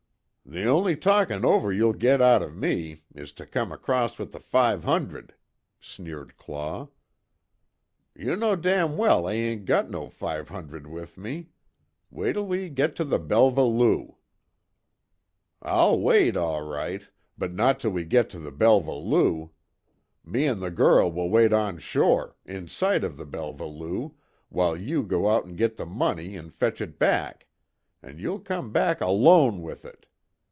"The only talkin' over you'll git out of me, is to come acrost with the five hundred," sneered Claw. "Ye know damn well I ain't got no five hundred with me. Wait till we git to the Belva Lou." "I'll wait, all right but not till we git to the Belva Lou. Me an' the girl will wait on shore, in sight of the Belva Lou, while you go out an' git the money an' fetch it back an' you'll come back alone with it.